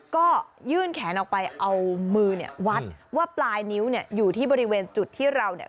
ก็ยื่นแขนออกไปเอามือเนี่ยวัดว่าปลายนิ้วเนี่ยอยู่ที่บริเวณจุดที่เราเนี่ย